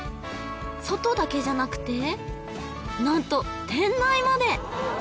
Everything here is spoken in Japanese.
外だけじゃなくて何と店内まで！